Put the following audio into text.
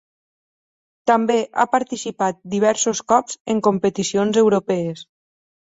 També ha participat diversos cops en competicions europees.